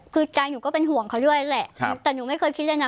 คือใจหนูก็เป็นห่วงเขาด้วยแหละแต่หนูไม่เคยคิดเลยนะ